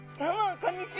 こんにちは。